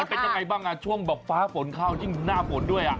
มันเป็นยังไงบ้างช่วงฟ้าฝนเข้าที่หน้าฝนด้วย